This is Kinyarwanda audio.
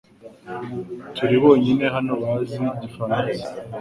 Turi bonyine hano bazi igifaransa .